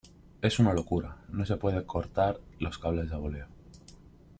es una locura, no puede cortar los cables a boleo.